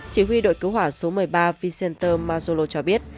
chỉ huy đội cứu hỏa số một mươi ba vicente marzolo cho biết